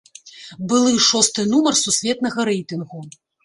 Былы шосты нумар сусветнага рэйтынгу.